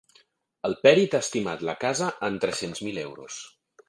El pèrit ha estimat la casa en tres-cents mil euros.